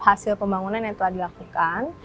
hasil pembangunan yang telah dilakukan